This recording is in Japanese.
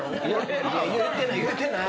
言うてない言うてない！